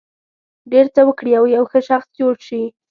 ډېر څه وکړي او یو ښه شخص جوړ شي.